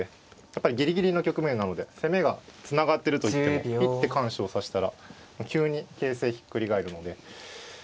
やっぱりギリギリの局面なので攻めがつながってるといっても一手緩手を指したら急に形勢ひっくり返るので。